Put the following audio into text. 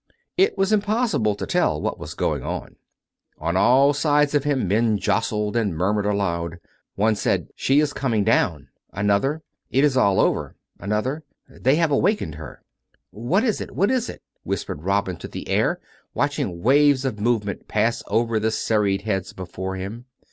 It was impossible to tell what was going on. On all sides of him men jostled and murmured aloud. One said, " She is coming down "; another, " It is all COME RACK! COME ROPE! 357 over "; another, " They have awakened her." " What is it? what is it? " whispered Robin to the air, watching waves of movement pass over the serried heads before him.